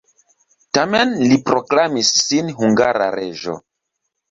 Tamen li proklamis sin hungara reĝo.